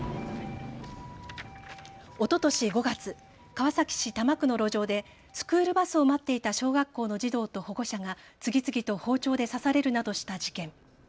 おととし５月、川崎市多摩区の路上でスクールバスを待っていた小学校の児童と保護者が次々と包丁で刺されるなどした事件。